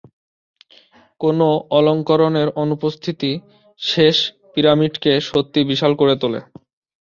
কোন অলঙ্করণের অনুপস্থিতি শেষ পিরামিডকে সত্যিই বিশাল করে তোলে।